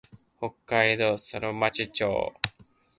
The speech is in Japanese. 北海道佐呂間町